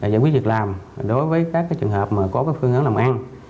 giải quyết việc làm đối với các trường hợp có phương hướng làm ăn